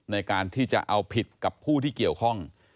ในการที่จะเอาผิดกับผู้ที่เกี่ยวข้อง